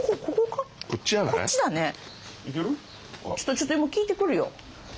ちょっと今聞いてくるよ。